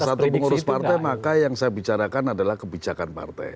salah satu pengurus partai maka yang saya bicarakan adalah kebijakan partai